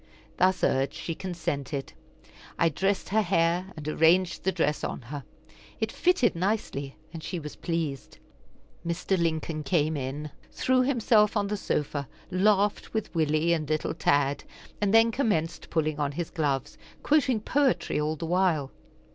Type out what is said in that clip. Thus urged, she consented. I dressed her hair, and arranged the dress on her. It fitted nicely, and she was pleased. Mr. Lincoln came in, threw himself on the sofa, laughed with Willie and little Tad, and then commenced pulling on his gloves, quoting poetry all the while.